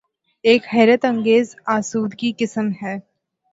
ایک حیرت انگیز آسودگی قسم ہے۔